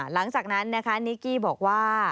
หลังจากนั้นนะคะนิกกี้บอกว่า